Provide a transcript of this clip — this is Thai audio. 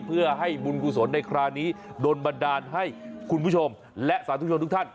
เพื่อให้บุญกุศลในคราวนี้โดนบันดาลให้คุณผู้ชมและสาธุชนทุกท่าน